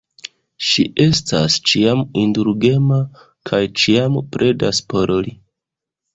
Ŝi estas ĉiam indulgema, kaj ĉiam pledas por li.